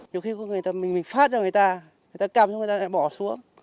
nhiều khi mình phát cho người ta người ta cầm rồi người ta lại bỏ xuống